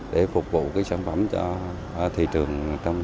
để phục vụ cái sản phẩm cho thị trường